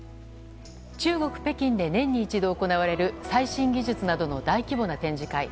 中国・北京で年に一度行われる最新技術などの大規模な展示会。